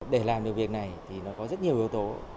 để làm được việc này thì nó có rất nhiều yếu tố